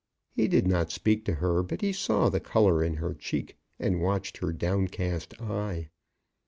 He did not speak to her, but he saw the colour in her cheek, and watched her downcast eye.